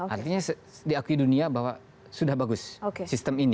artinya diakui dunia bahwa sudah bagus sistem ini